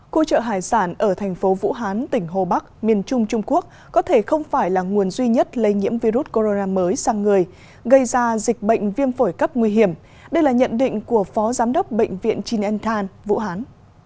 khu chợ hải sản ở thành phố vũ hán tỉnh hồ bắc miền trung trung quốc có thể không phải là nguồn duy nhất lây nhiễm virus corona mới sang người gây ra dịch bệnh viêm phổi cấp nguy hiểm đây là nhận định của phó giám đốc bệnh viện chin than vũ hán